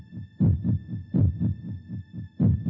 kalau lu mau tau jawabannya